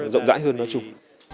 rộng rãi hơn nói chung